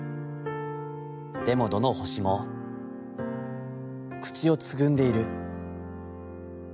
でもどの星も、口をつぐんでいる。